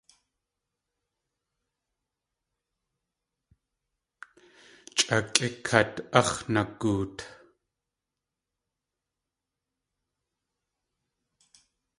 Chʼa kʼikát áx̲ nagoot!